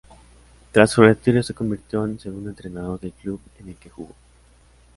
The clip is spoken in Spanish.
Tras su retiro se convirtió en segundo entrenador del club en el que jugó.